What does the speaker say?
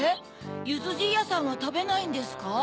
ゆずじいやさんはたべないんですか？